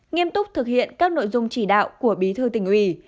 nghiêm túc thực hiện các nội dung chỉ đạo của bí thư tỉnh ủy